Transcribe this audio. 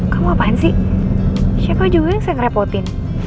kamu apaan sih siapa juga yang saya ngerepotin